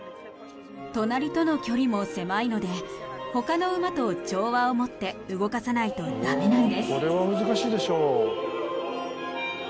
隣との距離も狭いので他の馬と調和を持って動かさないと駄目なんです。